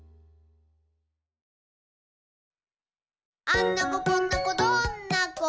「あんな子こんな子どんな子？